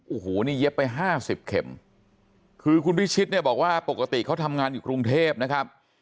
โอ้โหนี่เย็บไปห้าสิบเข็มคือคุณพิชิตเนี่ยบอกว่าปกติเขาทำงานอยู่กรุงเทพนะครับ